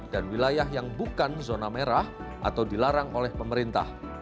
dan wilayah yang bukan zona merah atau dilarang oleh pemerintah